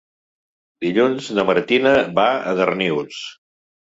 Dilluns na Martina va a Darnius.